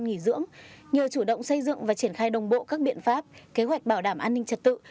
nghỉ dưỡng nhờ chủ động xây dựng và triển khai đồng bộ các biện pháp kế hoạch bảo đảm an ninh trật tự